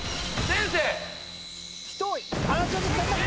先生！